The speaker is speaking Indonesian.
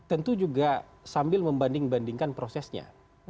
tentu juga sambil membanding bandingkan prosesnya